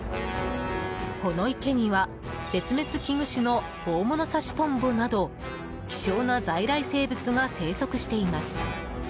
この池には、絶滅危惧種のオオモノサシトンボなど希少な在来生物が生息しています。